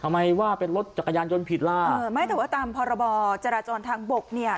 ว่าเป็นรถจักรยานยนต์ผิดล่ะเออไม่แต่ว่าตามพรบจราจรทางบกเนี่ย